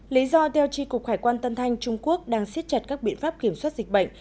lý do theo chi cục khải quan tân thanh trung quốc đang xiết chặt các biện pháp kiểm soát dịch bệnh